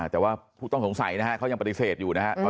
แต่ว่าผู้ต้องสงสัยนะฮะเขายังปฏิเสธอยู่นะครับ